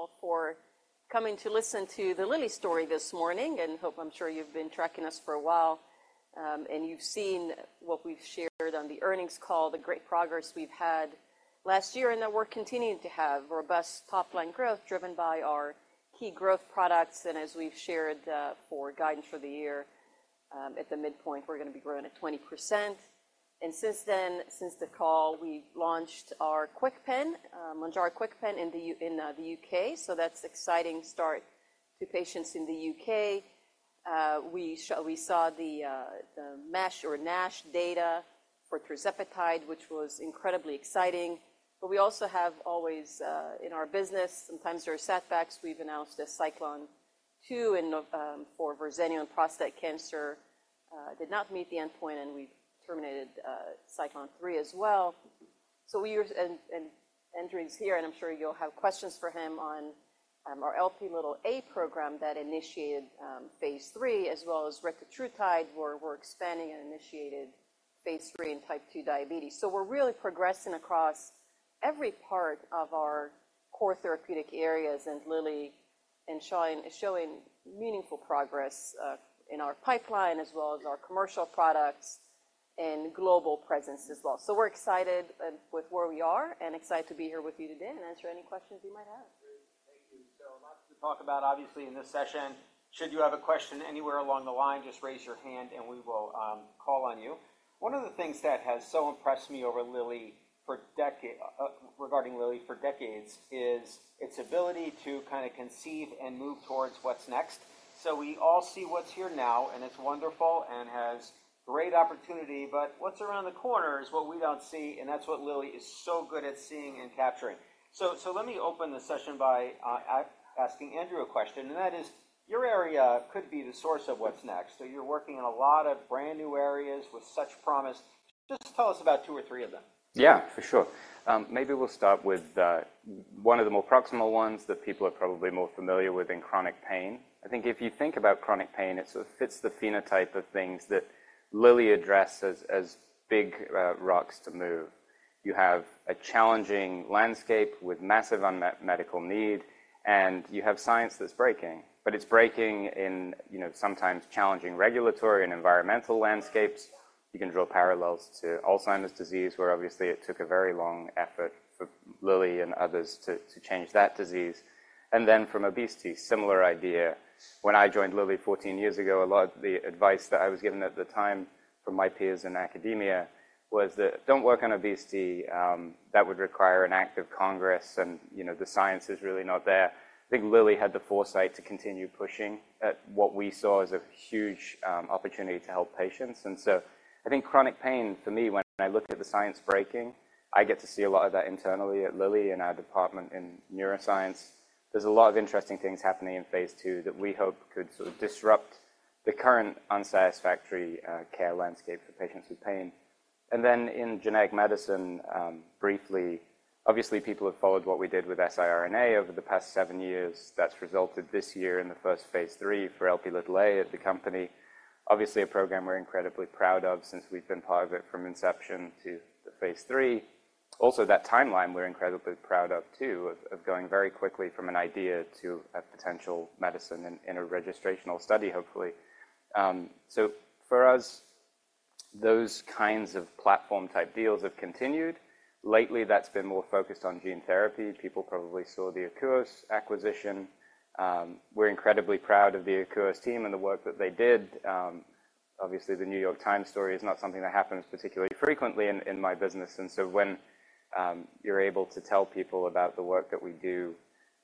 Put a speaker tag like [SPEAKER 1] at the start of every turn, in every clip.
[SPEAKER 1] All for coming to listen to the Lilly story this morning, and I'm sure you've been tracking us for a while, and you've seen what we've shared on the earnings call, the great progress we've had last year, and that we're continuing to have robust top-line growth driven by our key growth products. As we've shared, for guidance for the year, at the midpoint, we're gonna be growing at 20%. Since then, since the call, we launched our KwikPen, Mounjaro, KwikPen in the U.K., so that's exciting start to patients in the U.K.. We saw the MASH or NASH data for tirzepatide, which was incredibly exciting. But we also have always, in our business, sometimes there are setbacks. We've announced a CYCLONE-2 and for Verzenio and prostate cancer did not meet the endpoint, and we've terminated CYCLONE-3 as well. So we are. And Andrew is here, and I'm sure you'll have questions for him on our Lp(a) program that initiated phase III, as well as retatrutide, where we're expanding and initiated phase III in Type 2 diabetes. So we're really progressing across every part of our core therapeutic areas, and Lilly is showing meaningful progress in our pipeline, as well as our commercial products and global presence as well. So we're excited with where we are and excited to be here with you today and answer any questions you might have.
[SPEAKER 2] Great. Thank you. So a lot to talk about, obviously, in this session. Should you have a question anywhere along the line, just raise your hand, and we will call on you. One of the things that has so impressed me regarding Lilly for decades is its ability to kind of conceive and move towards what's next. So we all see what's here now, and it's wonderful and has great opportunity, but what's around the corner is what we don't see, and that's what Lilly is so good at seeing and capturing. So let me open the session by asking Andrew a question, and that is, your area could be the source of what's next. So you're working in a lot of brand-new areas with such promise. Just tell us about two or three of them.
[SPEAKER 3] Yeah, for sure. Maybe we'll start with one of the more proximal ones that people are probably more familiar with in chronic pain. I think if you think about chronic pain, it sort of fits the phenotype of things that Lilly addressed as big rocks to move. You have a challenging landscape with massive unmet medical need, and you have science that's breaking, but it's breaking in, you know, sometimes challenging regulatory and environmental landscapes. You can draw parallels to Alzheimer's disease, where obviously it took a very long effort for Lilly and others to change that disease. And then from obesity, similar idea. When I joined Lilly 14 years ago, a lot of the advice that I was given at the time from my peers in academia was that, "Don't work on obesity, that would require an act of Congress, and, you know, the science is really not there." I think Lilly had the foresight to continue pushing at what we saw as a huge opportunity to help patients. And so I think chronic pain, for me, when I looked at the science breaking, I get to see a lot of that internally at Lilly in our department in neuroscience. There's a lot of interesting things happening in phase II that we hope could sort of disrupt the current unsatisfactory care landscape for patients with pain. And then in genetic medicine, briefly, obviously, people have followed what we did with siRNA over the past seven years. That's resulted this year in the first phase III for Lp(a) at the company. Obviously, a program we're incredibly proud of since we've been part of it from inception to the phase III. Also, that timeline, we're incredibly proud of, too, of going very quickly from an idea to a potential medicine in a registrational study, hopefully. So for us, those kinds of platform-type deals have continued. Lately, that's been more focused on gene therapy. People probably saw the Akouos acquisition. We're incredibly proud of the Akouos team and the work that they did. Obviously, the New York Times story is not something that happens particularly frequently in my business, and so when you're able to tell people about the work that we do,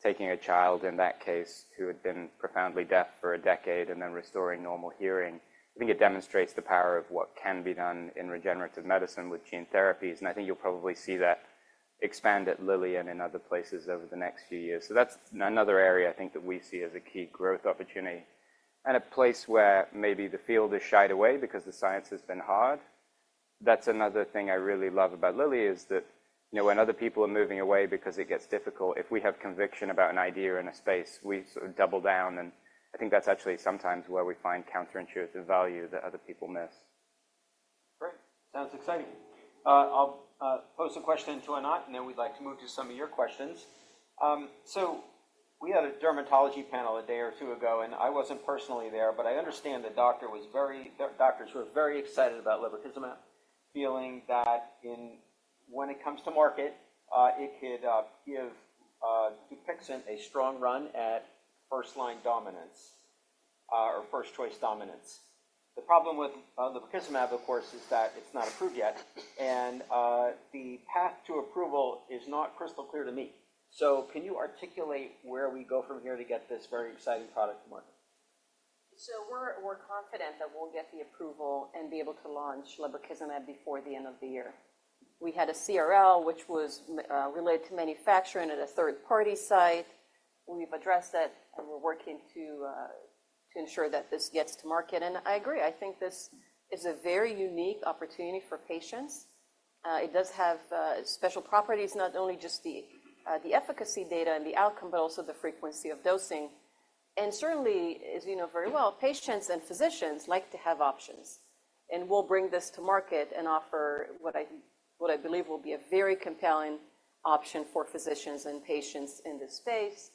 [SPEAKER 3] taking a child, in that case, who had been profoundly deaf for a decade and then restoring normal hearing, I think it demonstrates the power of what can be done in regenerative medicine with gene therapies, and I think you'll probably see that expand at Lilly and in other places over the next few years. So that's another area I think that we see as a key growth opportunity and a place where maybe the field has shied away because the science has been hard. That's another thing I really love about Lilly, is that, you know, when other people are moving away because it gets difficult, if we have conviction about an idea in a space, we sort of double down, and I think that's actually sometimes where we find counterintuitive value that other people miss.
[SPEAKER 2] Great. Sounds exciting. I'll pose a question to Anat, and then we'd like to move to some of your questions. So we had a dermatology panel a day or two ago, and I wasn't personally there, but I understand the doctors were very excited about lebrikizumab, feeling that when it comes to market, it could give Dupixent a strong run at first line dominance or first choice dominance. The problem with the lebrikizumab, of course, is that it's not approved yet, and the path to approval is not crystal clear to me. So can you articulate where we go from here to get this very exciting product to market?
[SPEAKER 1] So we're confident that we'll get the approval and be able to launch lebrikizumab before the end of the year. We had a CRL, which was related to manufacturing at a third-party site. We've addressed that, and we're working to ensure that this gets to market. And I agree, I think this is a very unique opportunity for patients. It does have special properties, not only just the efficacy data and the outcome, but also the frequency of dosing... and certainly, as you know very well, patients and physicians like to have options, and we'll bring this to market and offer what I believe will be a very compelling option for physicians and patients in this space,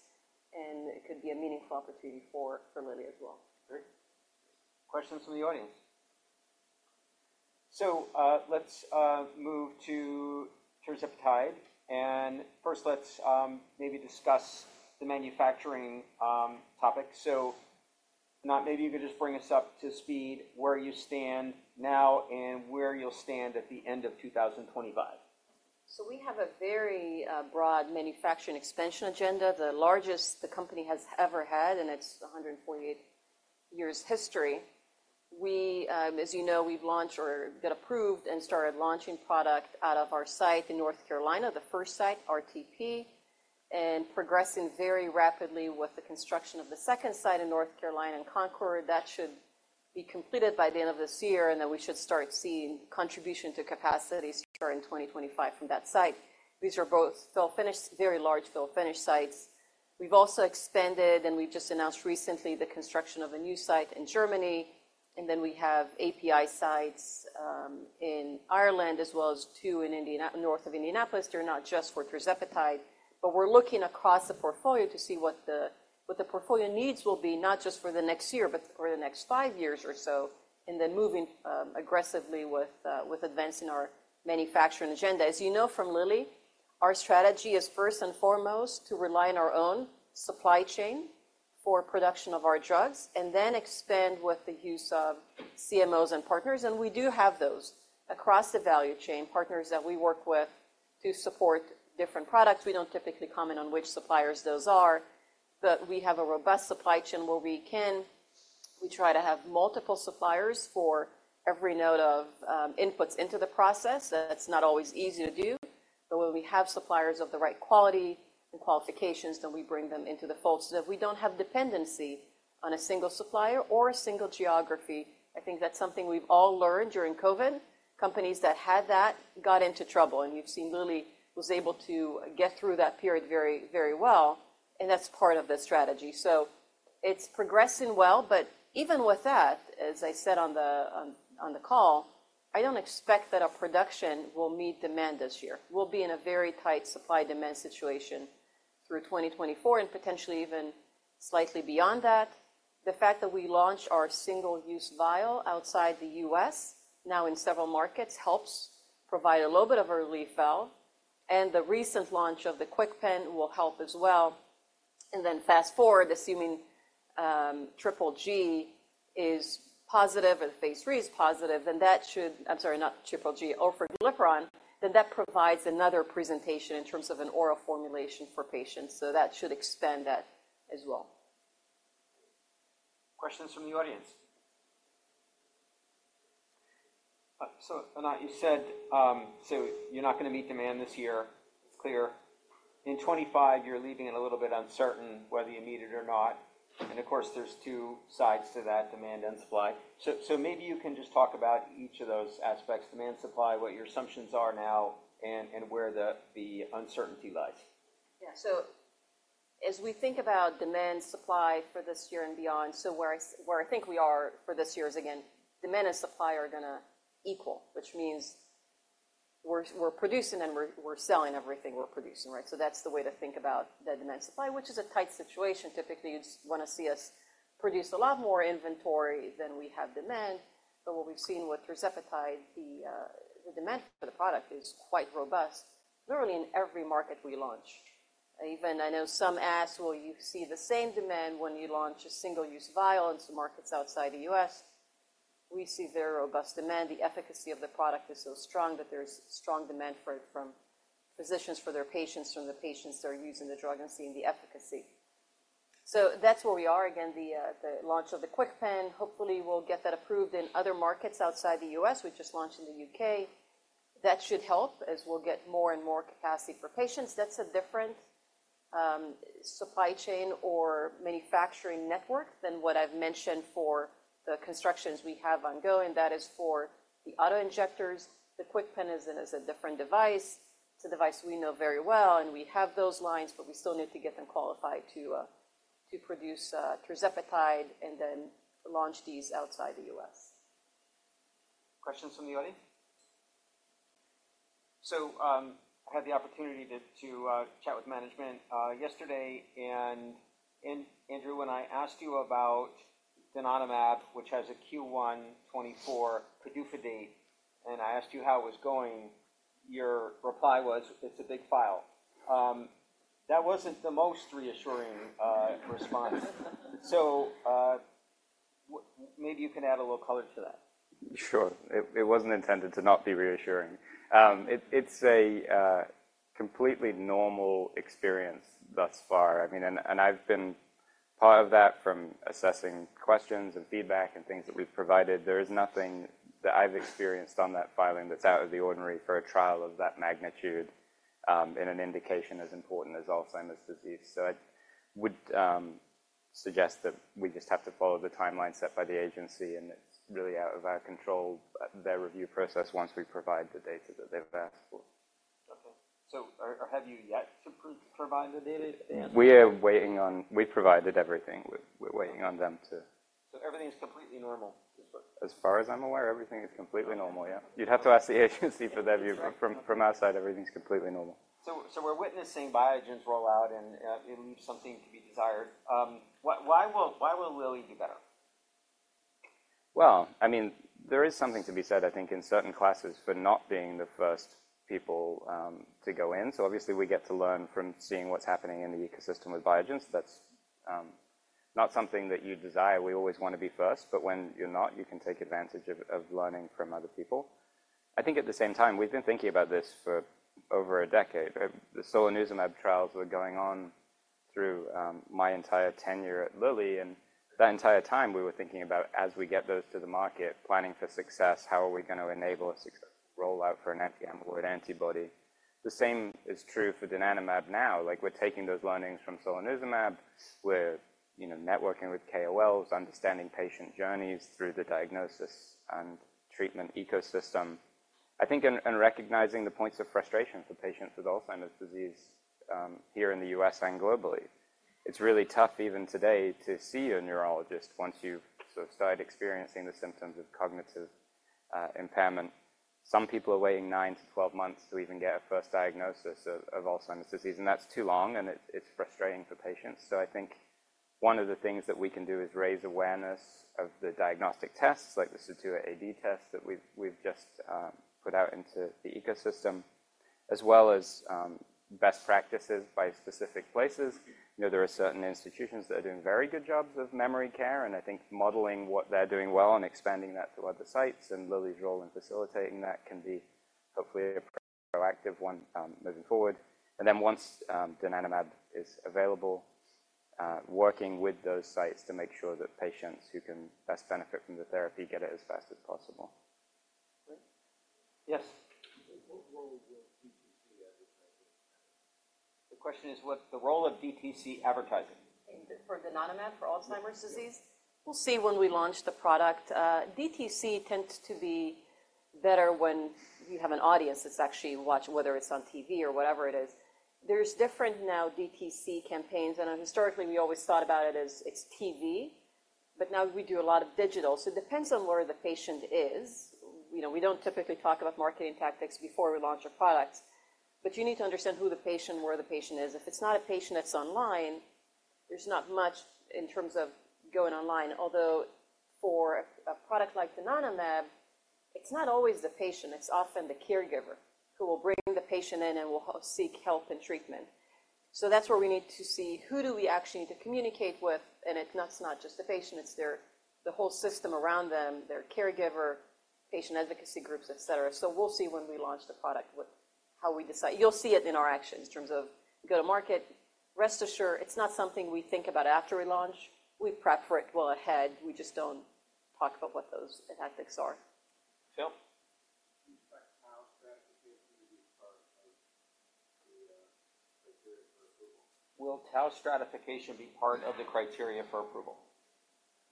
[SPEAKER 1] and it could be a meaningful opportunity for Lilly as well.
[SPEAKER 2] Great. Questions from the audience? So, let's move to tirzepatide, and first, let's maybe discuss the manufacturing topic. So not maybe you could just bring us up to speed, where you stand now and where you'll stand at the end of 2025.
[SPEAKER 1] So we have a very broad manufacturing expansion agenda, the largest the company has ever had in its 148 years history. We, as you know, we've launched or got approved and started launching product out of our site in North Carolina, the first site, RTP, and progressing very rapidly with the construction of the second site in North Carolina, in Concord. That should be completed by the end of this year, and then we should start seeing contribution to capacity start in 2025 from that site. These are both fill-finish, very large fill-finish sites. We've also expanded, and we've just announced recently the construction of a new site in Germany, and then we have API sites in Ireland, as well as two in Indiana, north of Indianapolis. They're not just for tirzepatide, but we're looking across the portfolio to see what the portfolio needs will be, not just for the next year, but for the next five years or so, and then moving aggressively with advancing our manufacturing agenda. As you know from Lilly, our strategy is first and foremost to rely on our own supply chain for production of our drugs and then expand with the use of CMOs and partners, and we do have those across the value chain, partners that we work with to support different products. We don't typically comment on which suppliers those are, but we have a robust supply chain where we can. We try to have multiple suppliers for every node of inputs into the process. That's not always easy to do, but when we have suppliers of the right quality and qualifications, then we bring them into the fold so that we don't have dependency on a single supplier or a single geography. I think that's something we've all learned during COVID. Companies that had that got into trouble, and you've seen Lilly was able to get through that period very, very well, and that's part of the strategy. So it's progressing well, but even with that, as I said on the call, I don't expect that our production will meet demand this year. We'll be in a very tight supply-demand situation through 2024 and potentially even slightly beyond that. The fact that we launched our single-use vial outside the U.S., now in several markets, helps provide a little bit of a relief valve, and the recent launch of the KwikPen will help as well. Then fast forward, assuming triple G is positive and phase III is positive, then that should... I'm sorry, not triple G, orforglipron, then that provides another presentation in terms of an oral formulation for patients, so that should expand that as well.
[SPEAKER 2] Questions from the audience? So, Anat, you said, so you're not gonna meet demand this year, clear. In 2025, you're leaving it a little bit uncertain whether you meet it or not, and of course, there's two sides to that, demand and supply. So, so maybe you can just talk about each of those aspects, demand, supply, what your assumptions are now and, and where the, the uncertainty lies.
[SPEAKER 1] Yeah. So as we think about demand, supply for this year and beyond, where I think we are for this year is, again, demand and supply are gonna equal, which means we're producing, and we're selling everything we're producing, right? So that's the way to think about the demand, supply, which is a tight situation. Typically, you'd wanna see us produce a lot more inventory than we have demand, but what we've seen with tirzepatide, the demand for the product is quite robust, literally in every market we launch. Even I know some ask, "Well, you see the same demand when you launch a single-use vial in some markets outside the U.S.?" We see very robust demand. The efficacy of the product is so strong that there's strong demand for it from physicians for their patients, from the patients that are using the drug and seeing the efficacy. So that's where we are. Again, the launch of the KwikPen, hopefully, we'll get that approved in other markets outside the U.S.. We just launched in the U.K.. That should help as we'll get more and more capacity for patients. That's a different supply chain or manufacturing network than what I've mentioned for the constructions we have ongoing. That is for the auto-injectors. The KwikPen is a different device. It's a device we know very well, and we have those lines, but we still need to get them qualified to produce tirzepatide and then launch these outside the US.
[SPEAKER 2] Questions from the audience? I had the opportunity to chat with management yesterday, and Andrew, when I asked you about donanemab, which has a Q1 2024 PDUFA date, and I asked you how it was going, your reply was, "It's a big file." That wasn't the most reassuring response. Maybe you can add a little color to that.
[SPEAKER 3] Sure. It wasn't intended to not be reassuring. It's a completely normal experience thus far. I mean, and I've been part of that from assessing questions and feedback and things that we've provided. There is nothing that I've experienced on that filing that's out of the ordinary for a trial of that magnitude, and an indication as important as Alzheimer's disease. So I would suggest that we just have to follow the timeline set by the agency, and it's really out of our control, their review process once we provide the data that they've asked for. ...
[SPEAKER 2] So, have you yet to provide the data to them?
[SPEAKER 3] We provided everything. We're waiting on them to-
[SPEAKER 2] So everything is completely normal?
[SPEAKER 3] As far as I'm aware, everything is completely normal, yeah. You'd have to ask the agency for their view, but from our side, everything's completely normal.
[SPEAKER 2] We're witnessing Biogen's rollout, and it leaves something to be desired. Why will Lilly be better?
[SPEAKER 3] Well, I mean, there is something to be said, I think, in certain classes for not being the first people to go in. So obviously, we get to learn from seeing what's happening in the ecosystem with Biogen. That's not something that you desire. We always want to be first, but when you're not, you can take advantage of, of learning from other people. I think at the same time, we've been thinking about this for over a decade. The solanezumab trials were going on through my entire tenure at Lilly, and that entire time, we were thinking about as we get those to the market, planning for success, how are we gonna enable a successful rollout for an FM or an antibody? The same is true for donanemab now. Like, we're taking those learnings from solanezumab. We're, you know, networking with KOLs, understanding patient journeys through the diagnosis and treatment ecosystem. I think in recognizing the points of frustration for patients with Alzheimer's disease, here in the U.S. and globally. It's really tough even today to see a neurologist once you've sort of started experiencing the symptoms of cognitive impairment. Some people are waiting 9-12 months to even get a first diagnosis of Alzheimer's disease, and that's too long, and it's frustrating for patients. So I think one of the things that we can do is raise awareness of the diagnostic tests, like the PrecivityAD test that we've just put out into the ecosystem, as well as best practices by specific places. You know, there are certain institutions that are doing very good jobs of memory care, and I think modeling what they're doing well and expanding that to other sites, and Lilly's role in facilitating that can be hopefully a proactive one, moving forward. And then once, donanemab is available, working with those sites to make sure that patients who can best benefit from the therapy get it as fast as possible.
[SPEAKER 2] Great. Yes?
[SPEAKER 4] What role does DTC advertising play?
[SPEAKER 2] The question is, what's the role of DTC advertising?
[SPEAKER 1] For donanemab for Alzheimer's disease?
[SPEAKER 4] Yes.
[SPEAKER 1] We'll see when we launch the product. DTC tends to be better when you have an audience that's actually watching, whether it's on TV or whatever it is. There's different now DTC campaigns, and historically, we always thought about it as it's TV, but now we do a lot of digital. So it depends on where the patient is. You know, we don't typically talk about marketing tactics before we launch a product, but you need to understand who the patient, where the patient is. If it's not a patient that's online, there's not much in terms of going online. Although, for a product like donanemab, it's not always the patient, it's often the caregiver who will bring the patient in and will seek help and treatment. So that's where we need to see who do we actually need to communicate with, and it's not, not just the patient, it's their, the whole system around them, their caregiver, patient advocacy groups, etcetera. So we'll see when we launch the product, what, how we decide. You'll see it in our actions in terms of go to market. Rest assured, it's not something we think about after we launch. We prep for it well ahead. We just don't talk about what those tactics are.
[SPEAKER 2] Phil? Do you expect tau stratification to be part of the criteria for approval? Will tau stratification be part of the criteria for approval?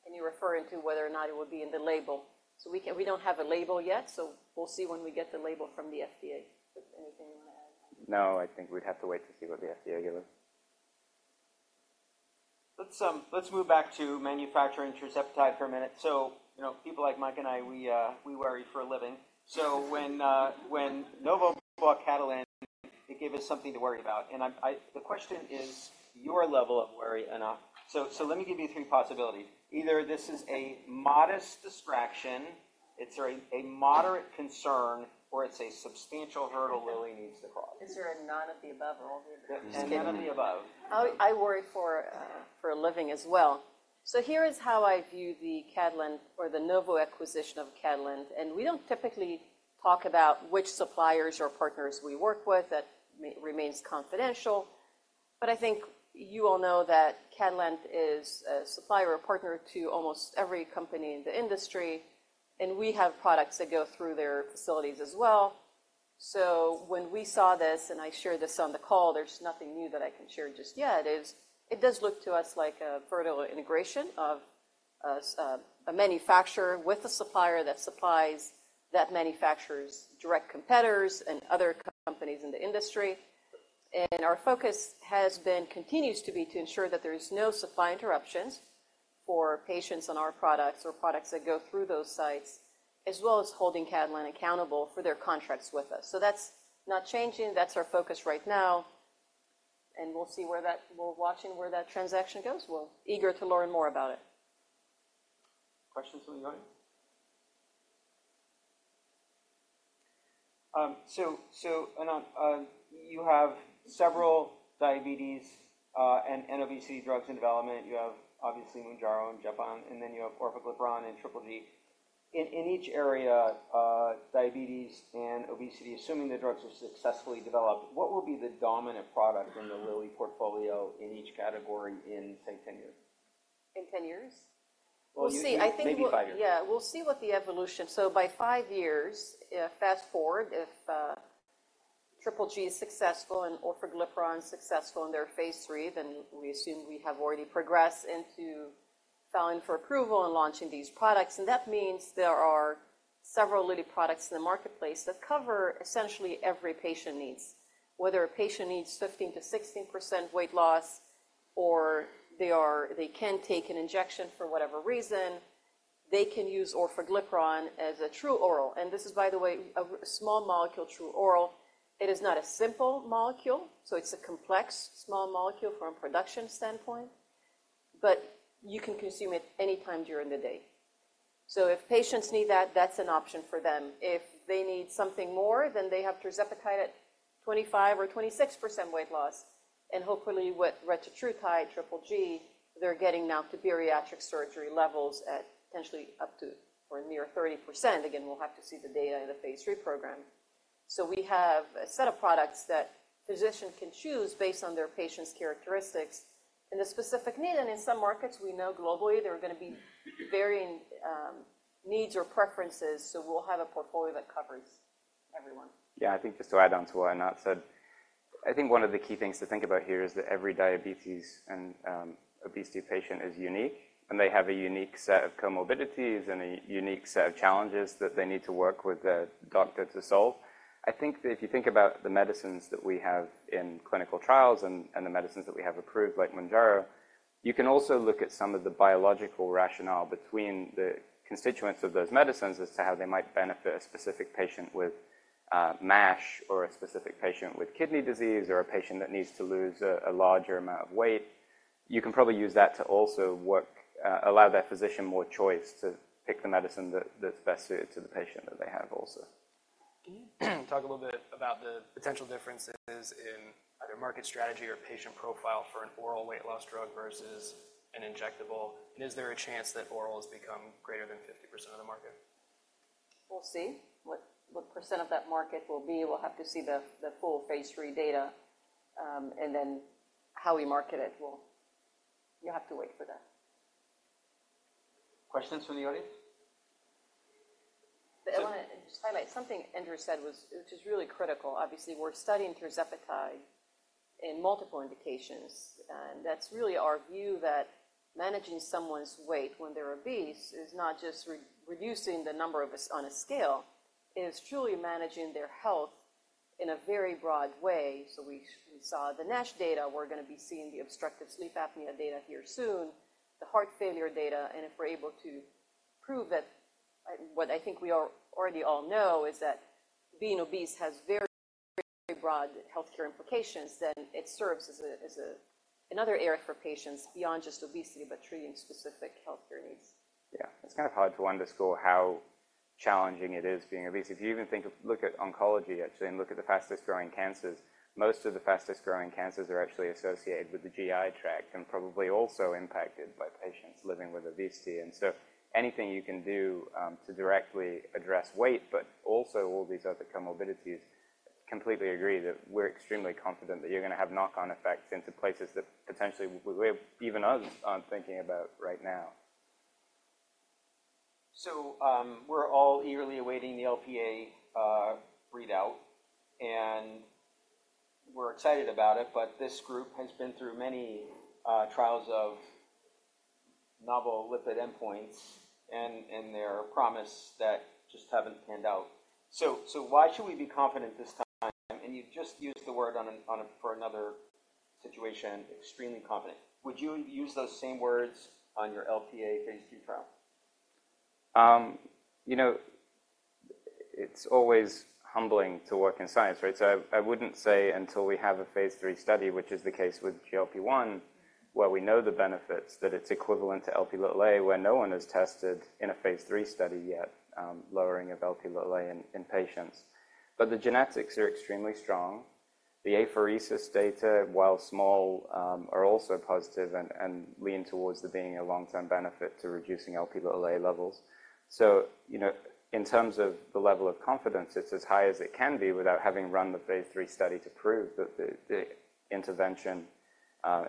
[SPEAKER 1] And you're referring to whether or not it will be in the label? So we can, we don't have a label yet, so we'll see when we get the label from the FDA. Is there anything you want to add?
[SPEAKER 3] No, I think we'd have to wait to see what the FDA give us.
[SPEAKER 2] Let's move back to manufacturing tirzepatide for a minute. So, you know, people like Mike and I, we worry for a living. So when when Novo bought Catalent, it gave us something to worry about, and I. The question is your level of worry, Anat. So, so let me give you three possibilities. Either this is a modest distraction, it's a, a moderate concern, or it's a substantial hurdle Lilly needs to cross.
[SPEAKER 1] Is there a none of the above or all the above?
[SPEAKER 2] None of the above.
[SPEAKER 1] I worry for a living as well. So here is how I view the Catalent or the Novo acquisition of Catalent, and we don't typically talk about which suppliers or partners we work with. That remains confidential, but I think you all know that Catalent is a supplier or partner to almost every company in the industry, and we have products that go through their facilities as well. So when we saw this, and I shared this on the call, there's nothing new that I can share just yet, it does look to us like a vertical integration of a manufacturer with a supplier that supplies that manufacturer's direct competitors and other companies in the industry. Our focus has been, continues to be, to ensure that there is no supply interruptions for patients on our products or products that go through those sites, as well as holding Catalent accountable for their contracts with us. That's not changing. That's our focus right now, and we'll see where that. We're watching where that transaction goes. We're eager to learn more about it.
[SPEAKER 2] Questions from the audience? So, so, Anat, you have several diabetes and obesity drugs in development. You have, obviously, Mounjaro and Zepbound, and then you have orforglipron and triple G. In, in each area, diabetes and obesity, assuming the drugs are successfully developed, what will be the dominant product in the Lilly portfolio in each category in, say, ten years?
[SPEAKER 1] In 10 years?
[SPEAKER 2] Well, maybe five years.
[SPEAKER 1] We'll see. I think, yeah, we'll see what the evolution is. So by five years, fast-forward, if triple G is successful and orforglipron is successful in their phase three, then we assume we have already progressed into filing for approval and launching these products. And that means there are several Lilly products in the marketplace that cover essentially every patient needs. Whether a patient needs 15%-16% weight loss, or they can't take an injection for whatever reason, they can use orforglipron as a true oral. And this is, by the way, a small molecule, true oral. It is not a simple molecule, so it's a complex, small molecule from a production standpoint, but you can consume it anytime during the day. So if patients need that, that's an option for them. If they need something more, then they have tirzepatide at 25% or 26% weight loss, and hopefully, with retatrutide, triple G, they're getting now to bariatric surgery levels at potentially up to or near 30%. Again, we'll have to see the data in the phase III program. So we have a set of products that physicians can choose based on their patient's characteristics and a specific need. And in some markets, we know globally, there are gonna be varying needs or preferences, so we'll have a portfolio that covers everyone.
[SPEAKER 3] Yeah, I think just to add on to what Anat said, I think one of the key things to think about here is that every diabetes and obesity patient is unique, and they have a unique set of comorbidities and a unique set of challenges that they need to work with a doctor to solve. I think that if you think about the medicines that we have in clinical trials and the medicines that we have approved, like Mounjaro, you can also look at some of the biological rationale between the constituents of those medicines as to how they might benefit a specific patient with MASH, or a specific patient with kidney disease, or a patient that needs to lose a larger amount of weight. You can probably use that to also allow that physician more choice to pick the medicine that that's best suited to the patient that they have also.
[SPEAKER 5] Can you talk a little bit about the potential differences in either market strategy or patient profile for an oral weight loss drug versus an injectable? And is there a chance that oral has become greater than 50% of the market?
[SPEAKER 1] We'll see. What, what percent of that market will be, we'll have to see the, the full phase III data, and then how we market it will... You'll have to wait for that.
[SPEAKER 2] Questions from the audience?
[SPEAKER 1] I wanna just highlight something Andrew said, which is really critical. Obviously, we're studying tirzepatide in multiple indications, and that's really our view that managing someone's weight when they're obese is not just reducing the number on a scale, it is truly managing their health in a very broad way. So we saw the NASH data. We're gonna be seeing the obstructive sleep apnea data here soon, the heart failure data, and if we're able to prove that what I think we all already know is that being obese has very, very broad healthcare implications, then it serves as a another area for patients beyond just obesity, but treating specific healthcare needs.
[SPEAKER 3] Yeah. It's kind of hard to underscore how challenging it is being obese. If you even think of—look at oncology, actually, and look at the fastest-growing cancers, most of the fastest-growing cancers are actually associated with the GI tract and probably also impacted by patients living with obesity. And so anything you can do to directly address weight, but also all these other comorbidities, completely agree that we're extremely confident that you're gonna have knock-on effects into places that potentially we, even us, aren't thinking about right now.
[SPEAKER 2] So, we're all eagerly awaiting the Lp(a) readout, and we're excited about it, but this group has been through many trials of novel lipid endpoints and their promise that just haven't panned out. So why should we be confident this time? And you've just used the word on a for another situation, extremely confident. Would you use those same words on your Lp(a) phase II trial?
[SPEAKER 3] You know, it's always humbling to work in science, right? So I wouldn't say until we have a phase III study, which is the case with GLP-1, where we know the benefits, that it's equivalent to Lp(a), where no one has tested in a phase III study yet, lowering of Lp(a) in patients. But the genetics are extremely strong. The apheresis data, while small, are also positive and lean towards there being a long-term benefit to reducing Lp(a) levels. So, you know, in terms of the level of confidence, it's as high as it can be without having run the phase III study to prove that the intervention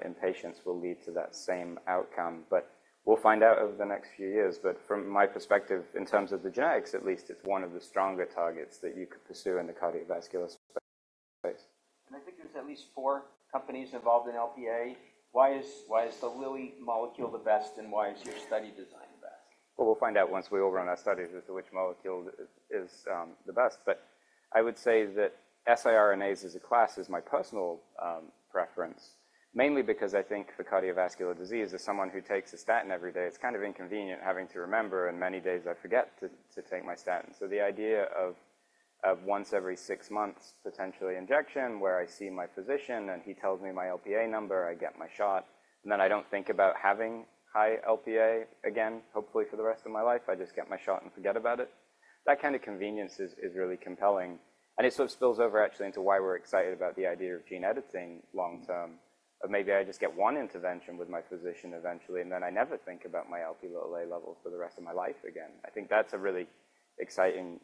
[SPEAKER 3] in patients will lead to that same outcome. But we'll find out over the next few years. But from my perspective, in terms of the genetics, at least, it's one of the stronger targets that you could pursue in the cardiovascular space.
[SPEAKER 2] I think there's at least four companies involved in Lp(a). Why is, why is the Lilly molecule the best, and why is your study design the best?
[SPEAKER 3] Well, we'll find out once we overrun our studies as to which molecule is the best. But I would say that siRNAs as a class is my personal preference, mainly because I think for cardiovascular disease, as someone who takes a statin every day, it's kind of inconvenient having to remember, and many days I forget to take my statin. So the idea of once every six months, potentially injection, where I see my physician, and he tells me my Lp(a) number, I get my shot, and then I don't think about having high Lp(a) again, hopefully for the rest of my life. I just get my shot and forget about it. That kind of convenience is really compelling, and it sort of spills over actually into why we're excited about the idea of gene editing long term. But maybe I just get one intervention with my physician eventually, and then I never think about my Lp(a) levels for the rest of my life again. I think that's a really exciting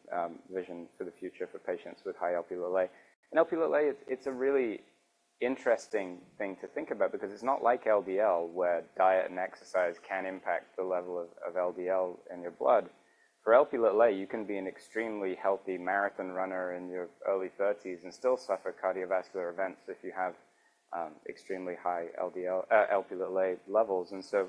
[SPEAKER 3] vision for the future for patients with high Lp(a). And Lp(a), it's a really interesting thing to think about because it's not like LDL, where diet and exercise can impact the level of LDL in your blood. For Lp(a), you can be an extremely healthy marathon runner in your early thirties and still suffer cardiovascular events if you have extremely high LDL, Lp(a) levels. And so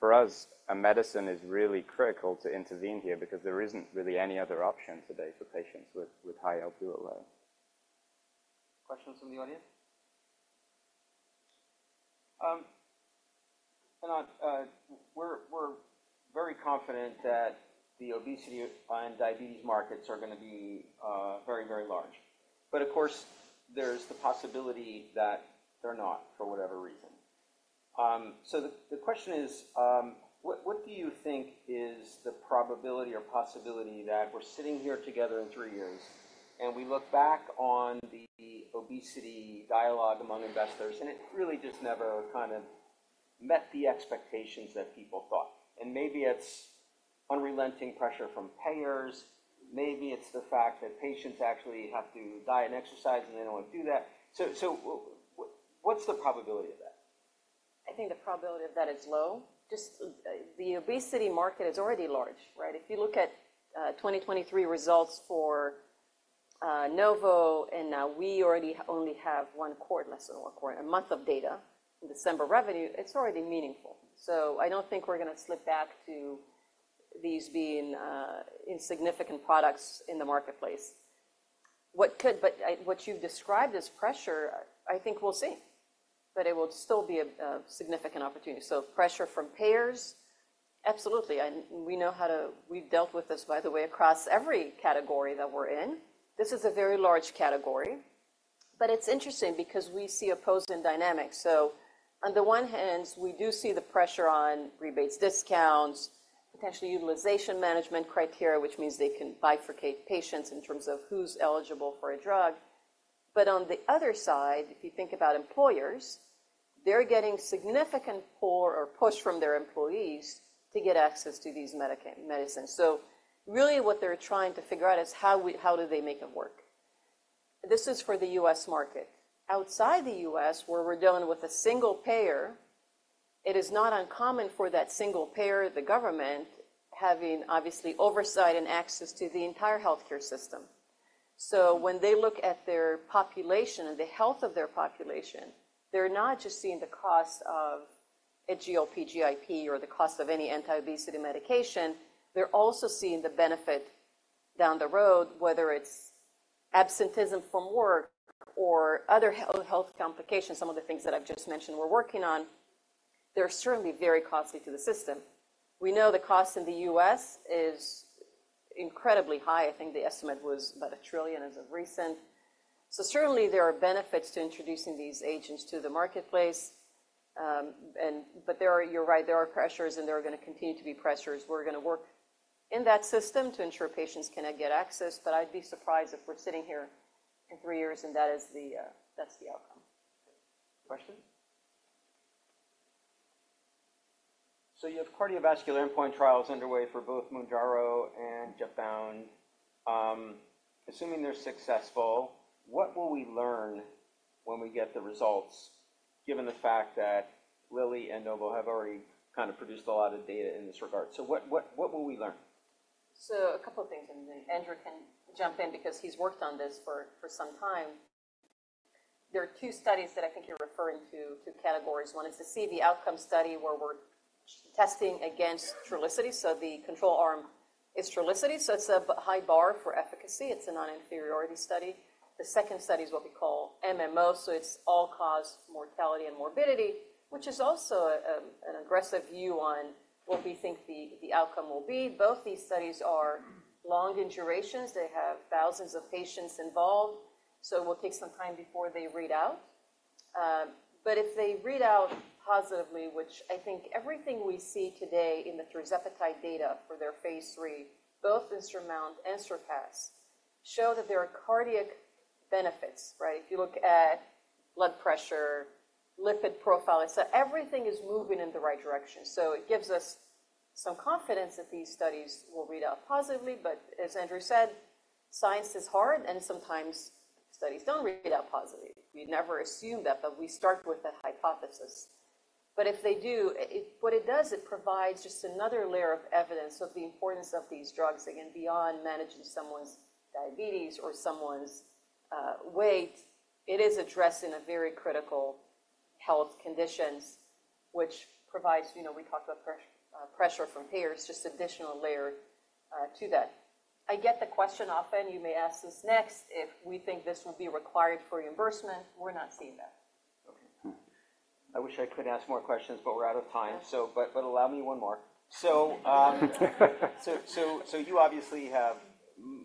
[SPEAKER 3] for us, a medicine is really critical to intervene here because there isn't really any other option today for patients with high Lp(a).
[SPEAKER 2] Questions from the audience? We're very confident that the obesity and diabetes markets are gonna be very, very large. But of course, there's the possibility that they're not, for whatever reason. So the question is, what do you think is the probability or possibility that we're sitting here together in three years, and we look back on the obesity dialogue among investors, and it really just never kind of met the expectations that people thought? And maybe it's unrelenting pressure from payers, maybe it's the fact that patients actually have to diet and exercise, and they don't want to do that. So what's the probability of that?
[SPEAKER 1] I think the probability of that is low. Just, the obesity market is already large, right? If you look at, 2023 results for, Novo, and, we already only have one quarter, less than one quarter, a month of data in December revenue, it's already meaningful. So I don't think we're gonna slip back to these being, insignificant products in the marketplace. But, what you've described as pressure, I think we'll see, but it will still be a significant opportunity. So pressure from payers, absolutely. And we know how to-- We've dealt with this, by the way, across every category that we're in. This is a very large category, but it's interesting because we see opposing dynamics. So on the one hand, we do see the pressure on rebates, discounts, potentially utilization management criteria, which means they can bifurcate patients in terms of who's eligible for a drug. But on the other side, if you think about employers, they're getting significant pull or push from their employees to get access to these medicines. So really what they're trying to figure out is how do they make them work? This is for the U.S. market. Outside the U.S., where we're dealing with a single payer, it is not uncommon for that single payer, the government, having obviously oversight and access to the entire healthcare system. So when they look at their population and the health of their population, they're not just seeing the cost of a GLP, GIP, or the cost of any anti-obesity medication, they're also seeing the benefit down the road, whether it's absenteeism from work or other health complications, some of the things that I've just mentioned we're working on. They're certainly very costly to the system. We know the cost in the U.S. is incredibly high. I think the estimate was about $1 trillion as of recent. So certainly, there are benefits to introducing these agents to the marketplace, and but there are—you're right, there are pressures, and there are gonna continue to be pressures. We're gonna work in that system to ensure patients can get access, but I'd be surprised if we're sitting here in 3 years, and that is the, that's the outcome.
[SPEAKER 2] Question? So you have cardiovascular endpoint trials underway for both Mounjaro and Zepbound. Assuming they're successful, what will we learn when we get the results, given the fact that Lilly and Novo have already kind of produced a lot of data in this regard? So what will we learn?
[SPEAKER 1] So a couple of things, and then Andrew can jump in because he's worked on this for, for some time. There are two studies that I think you're referring to, two categories. One is to see the outcome study where we're testing against Trulicity. So the control arm is Trulicity, so it's a high bar for efficacy. It's a non-inferiority study. The second study is what we call MMO, so it's all-cause mortality and morbidity, which is also an aggressive view on what we think the, the outcome will be. Both these studies are long in durations. They have thousands of patients involved, so it will take some time before they read out. But if they read out positively, which I think everything we see today in the tirzepatide data for their Phase III, both in SURMOUNT and SURPASS, show that there are cardiac benefits, right? If you look at blood pressure, lipid profile, so everything is moving in the right direction. So it gives us some confidence that these studies will read out positively, but as Andrew said, science is hard, and sometimes studies don't read out positively. We'd never assume that, but we start with a hypothesis. But if they do, it, what it does, it provides just another layer of evidence of the importance of these drugs, again, beyond managing someone's diabetes or someone's weight. It is addressing a very critical health conditions, which provides, you know, we talked about payer pressure from payers, just additional layer to that. I get the question often. You may ask this next, if we think this will be required for reimbursement, we're not seeing that.
[SPEAKER 2] Okay. I wish I could ask more questions, but we're out of time. So, but allow me one more. So, you obviously have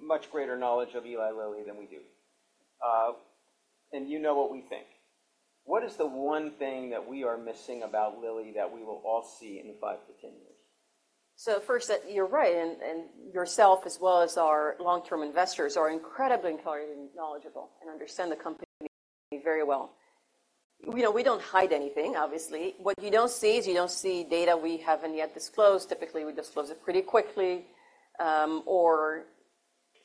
[SPEAKER 2] much greater knowledge of Eli Lilly than we do. And you know what we think. What is the one thing that we are missing about Lilly that we will all see in 5-10 years?
[SPEAKER 1] So first, that you're right, and, and yourself, as well as our long-term investors, are incredibly incredibly knowledgeable and understand the company very well. You know, we don't hide anything, obviously. What you don't see is you don't see data we haven't yet disclosed. Typically, we disclose it pretty quickly,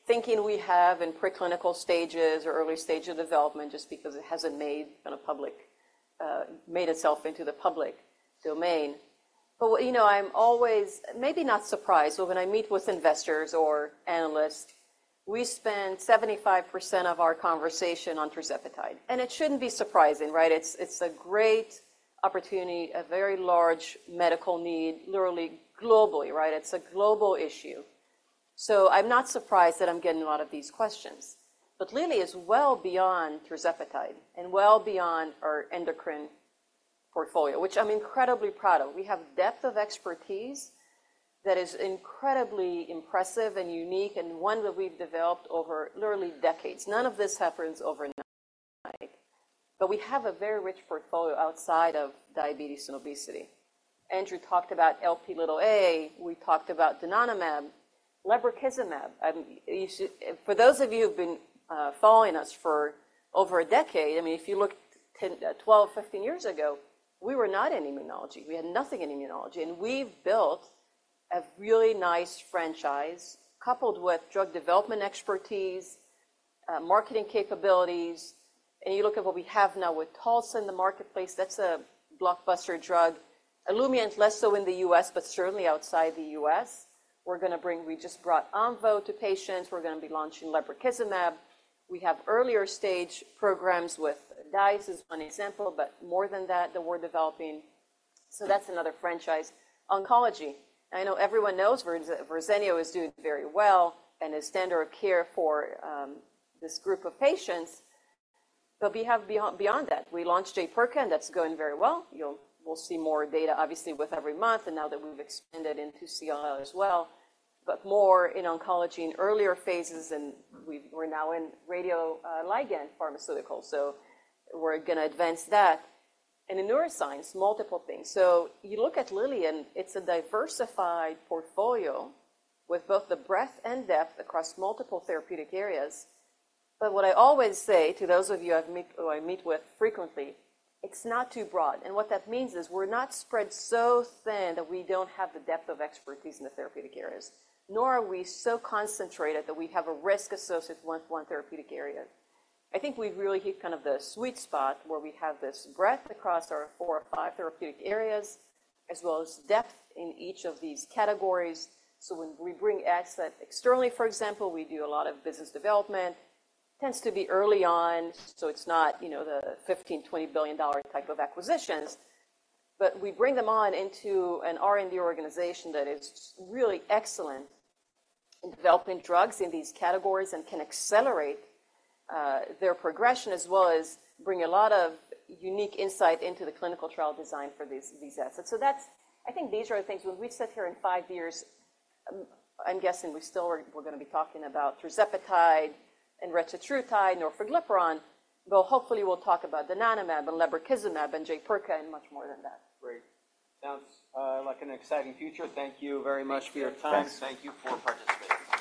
[SPEAKER 1] thinking we have in preclinical stages or early stage of development, just because it hasn't made itself into the public domain. But, you know, I'm always, maybe not surprised, but when I meet with investors or analysts, we spend 75% of our conversation on tirzepatide, and it shouldn't be surprising, right? It's, it's a great opportunity, a very large medical need, literally globally, right? It's a global issue. So I'm not surprised that I'm getting a lot of these questions. But Lilly is well beyond tirzepatide and well beyond our endocrine portfolio, which I'm incredibly proud of. We have depth of expertise that is incredibly impressive and unique, and one that we've developed over literally decades. None of this happens overnight, but we have a very rich portfolio outside of diabetes and obesity. Andrew talked about Lp(a). We talked about donanemab, lebrikizumab. You should. For those of you who've been following us for over a decade, I mean, if you look 10, 12, 15 years ago, we were not in immunology. We had nothing in immunology, and we've built a really nice franchise coupled with drug development expertise, marketing capabilities, and you look at what we have now with Taltz in the marketplace, that's a blockbuster drug. Olumiant, less so in the U.S., but certainly outside the U.S.. We just brought Omvoh to patients. We're gonna be launching lebrikizumab. We have earlier stage programs with DICE is one example, but more than that, that we're developing. So that's another franchise. Oncology. I know everyone knows Verzenio is doing very well and is standard of care for this group of patients, but we have beyond that. We launched Jaypirca, and that's going very well. We'll see more data, obviously, with every month, and now that we've expanded into CLL as well, but more in oncology in earlier phases, and we're now in radioligand pharmaceuticals, so we're gonna advance that. And in neuroscience, multiple things. So you look at Lilly, and it's a diversified portfolio with both the breadth and depth across multiple therapeutic areas. But what I always say to those of you I've met, who I meet with frequently, it's not too broad. And what that means is we're not spread so thin that we don't have the depth of expertise in the therapeutic areas, nor are we so concentrated that we have a risk associated with one therapeutic area. I think we've really hit kind of the sweet spot where we have this breadth across our four or five therapeutic areas, as well as depth in each of these categories. So when we bring assets externally, for example, we do a lot of business development, tends to be early on, so it's not, you know, the $15-$20 billion type of acquisitions, but we bring them on into an R&D organization that is really excellent in developing drugs in these categories and can accelerate their progression, as well as bring a lot of unique insight into the clinical trial design for these, these assets. So that's. I think these are the things when we sit here in 5 years, I'm guessing we still are, we're gonna be talking about tirzepatide and retatrutide, orforglipron, but hopefully, we'll talk about donanemab and lebrikizumab and Jaypirca, and much more than that.
[SPEAKER 2] Great. Sounds like an exciting future. Thank you very much for your time.
[SPEAKER 1] Thanks.
[SPEAKER 2] Thank you for participating.